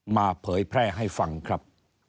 เผยแพร่ให้ฟังครับ